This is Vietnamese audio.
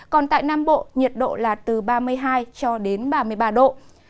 còn tại nam bộ nhiệt độ là từ ba mươi hai cho đến ba mươi ba độ